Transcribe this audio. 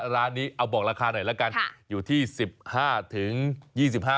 ร้านนี้เอาบอกราคาหน่อยละกันอยู่ที่๑๕๒๕บาท